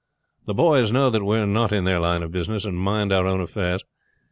The boys know that we are not in their line of business, and mind our own affairs.